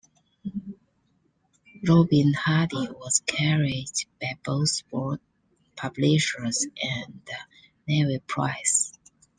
Robin Hardy was carried by both Word Publishers and NavPress.